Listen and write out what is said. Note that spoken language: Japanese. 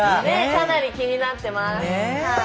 ねえかなり気になってます。